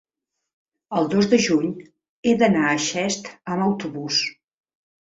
El dos de juny he d'anar a Xest amb autobús.